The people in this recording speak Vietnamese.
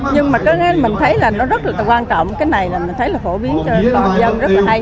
nhưng mà cái này mình thấy là nó rất là quan trọng cái này mình thấy là phổ biến cho toàn dân rất là hay